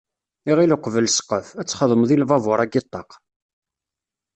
Iɣil uqbel ssqef, ad s-txedmeḍ i lbabur-agi ṭṭaq.